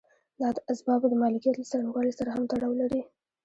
دا د اسبابو د مالکیت له څرنګوالي سره هم تړاو لري.